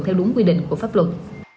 theo đúng quy định của pháp luật